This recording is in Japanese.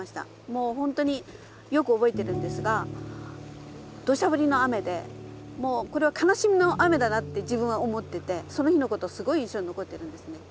もうほんとによく覚えてるんですがどしゃ降りの雨でもうこれは悲しみの雨だなって自分は思っててその日のことすごい印象に残ってるんですね。